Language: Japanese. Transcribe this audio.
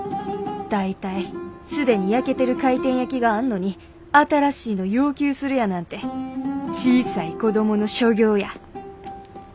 大体既に焼けてる回転焼きがあんのに新しいの要求するやなんて小さい子供の所業や。